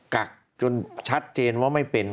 กักจนชัดเจนว่าไม่เป็น